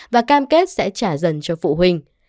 và cam kết sẽ trả dần cho phụ huynh